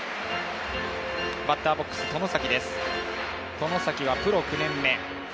外崎はプロ９年目。